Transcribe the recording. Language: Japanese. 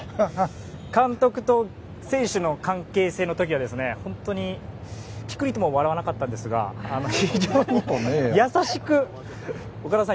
監督と選手の関係性の時は本当にピクリとも笑わなかったんですが岡田さん